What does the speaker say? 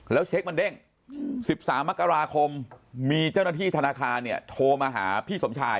แล้วเช็คมันเด้ง๑๓มกราคมมีเจ้าหน้าที่ธนาคารเนี่ยโทรมาหาพี่สมชาย